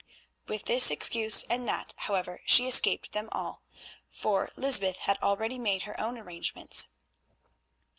With this excuse and that, however, she escaped from them all, for Lysbeth had already made her own arrangements.